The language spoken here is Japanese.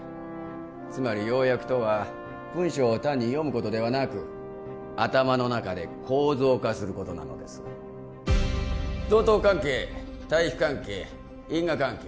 つまり要約とは文章を単に読むことではなく頭の中で構造化することなのです同等関係対比関係因果関係